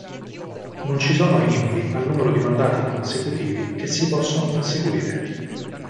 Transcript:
Non ci sono limiti al numero di mandati consecutivi che si possono conseguire.